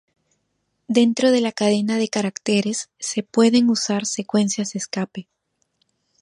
Dentro de la cadena de caracteres se pueden usar secuencias de escape.